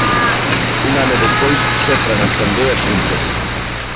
Un ano despois sopran as candeas xuntas.